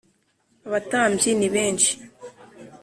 Abatambyi nibenshi.